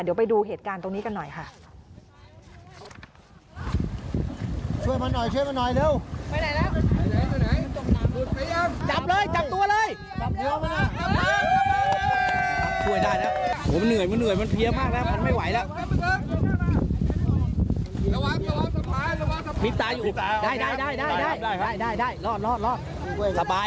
เดี๋ยวไปดูเหตุการณ์ตรงนี้กันหน่อยค่ะ